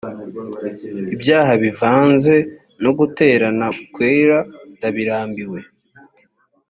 ibyaha bivanze no guterana kwera ndabirambiwe